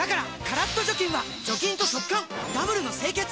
カラッと除菌は除菌と速乾ダブルの清潔！